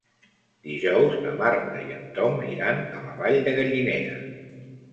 Dijous na Marta i en Tom iran a la Vall de Gallinera.